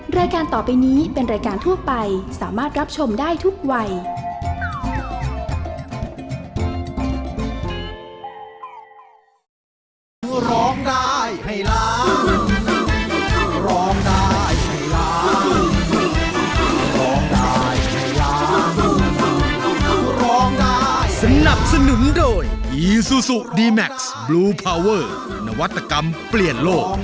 รายการต่อไปนี้เป็นรายการทั่วไปสามารถรับชมได้ทุกวัย